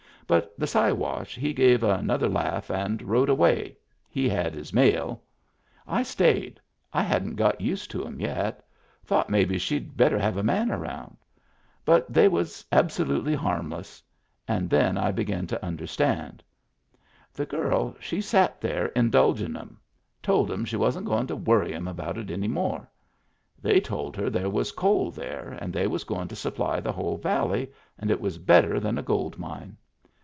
But the Siwash he gave another laugh and rode away — he had his mail. I stayed. I hadn't got used to 'em yet. Thought maybe she'd better have a man around. But they was absolutely harmless. And then I began to under stand. The girl she sat there indulgin' 'em. Told 'em Digitized by Google WHERE IT WAS 237 she wasn't goin' to worry 'em about it any more. They told her there was coal there and they was goin' to supply the whole valley, and it was better than a gold mine.